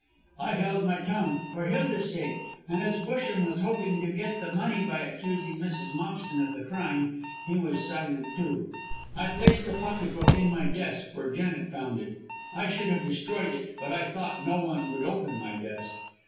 I held my tongue, for Hilda's sake, and as Busham was hoping to get the money by accusing Mrs. Moxton of the crime, he was silent too. I placed the pocket book in my desk, where Janet found it. I should have destroyed it, but I thought no one would open my desk.